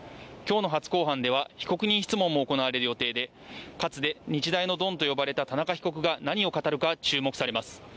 今日の初公判では被告人質問も行われる予定で、かつて日大のドンと呼ばれた田中被告が何を語るか注目されます。